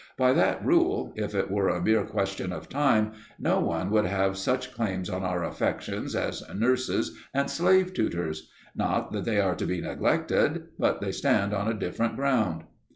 By that rule, if it were a mere question of time, no one would have such claims on our affections as nurses and slave tutors. Not that they are to be neglected, but they stand on a different ground.